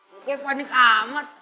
kegep panik amat